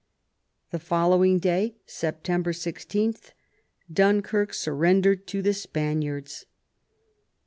The following day, September 16, Dunkirk surrendered to the Spaniards.